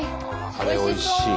あれおいしい。